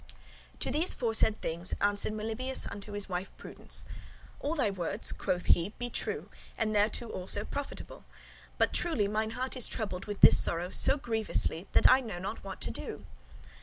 To these foresaid things answered Melibœus unto his wife Prudence: "All thy words," quoth he, "be true, and thereto [also] profitable, but truly mine heart is troubled with this sorrow so grievously, that I know not what to do."